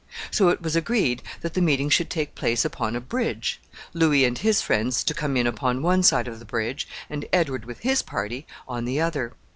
So it was agreed that the meeting should take place upon a bridge, Louis and his friends to come in upon one side of the bridge, and Edward, with his party, on the other.